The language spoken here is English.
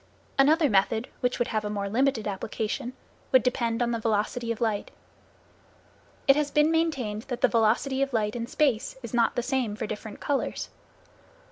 Another method which would have a more limited application, would depend on the velocity of light. It has been maintained that the velocity of light in space is not the same for different colors.